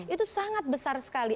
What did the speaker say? itu sangat besar sekali